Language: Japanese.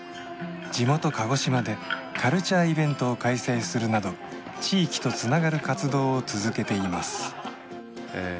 地元鹿児島でカルチャーイベントを開催するなど地域とつながる活動を続けていますえー